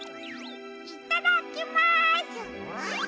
いただきます！